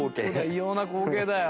異様な光景だよ。